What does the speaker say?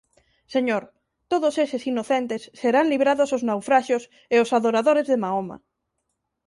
Señor, todos eses inocentes serán librados ós naufraxios e ós adoradores de Mahoma.